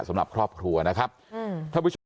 สำหรับครอบครัวนะครับอืม